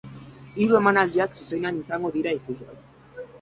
Hiru emanaldiak zuzenean izango dira ikusgai.